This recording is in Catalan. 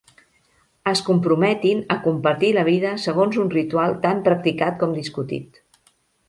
Es comprometin a compartir la vida segons un ritual tan practicat com discutit.